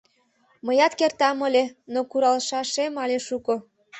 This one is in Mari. — Мыят кертам ыле, но куралшашем але шуко.